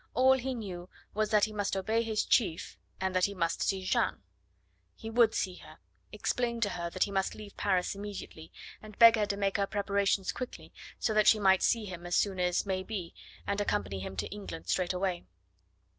All he knew was that he must obey his chief, and that he must see Jeanne. He would see her, explain to her that he must leave Paris immediately, and beg her to make her preparations quickly, so that she might meet him as soon as maybe, and accompany him to England straight away.